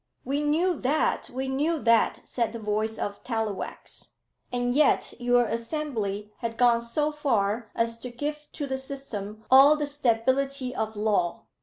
"We knew that, we knew that," said the voice of Tallowax. "And yet your Assembly had gone so far as to give to the system all the stability of law.